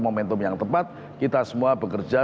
momentum yang tepat kita semua bekerja